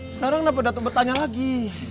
sekarang kenapa dato bertanya lagi